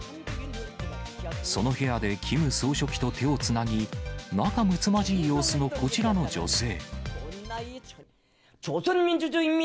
その部屋でキム総書記と手をつなぎ、仲むつまじい様子のこちらの女性。